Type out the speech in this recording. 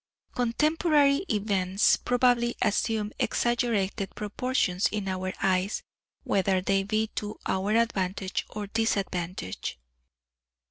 Contemporary events probably assume exaggerated proportions in our eyes, whether they be to our advantage or disadvantage.